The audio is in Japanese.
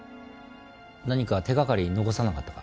何か手がかり残さなかったか？